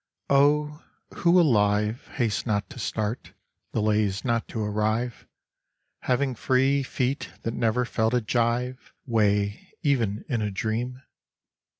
Oh, who alive Hastes not to start, delays not to arrive, Having free feet that never felt a gyve Weigh, even in a dream?